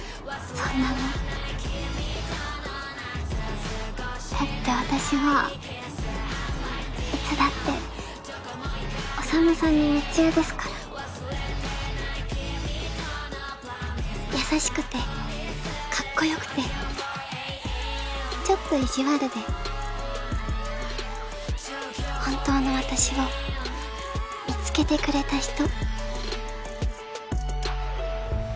そんなのだって私はいつだって宰さんに夢中ですから優しくてカッコよくてちょっと意地悪で本当の私を見つけてくれた人